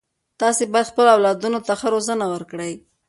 تاسې باید خپلو اولادونو ته ښه روزنه ورکړئ.